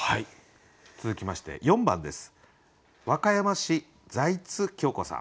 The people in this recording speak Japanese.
続きまして４番です。